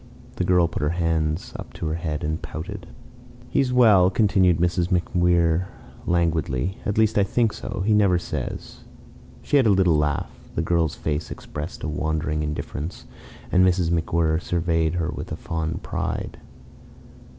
The girl put her hands up to her head and pouted. "He's well," continued Mrs. MacWhirr languidly. "At least I think so. He never says." She had a little laugh. The girl's face expressed a wandering indifference, and Mrs. MacWhirr surveyed her with fond pride.